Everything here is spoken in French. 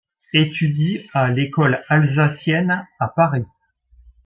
Étudie à l’Ecole Alsacienne à Paris.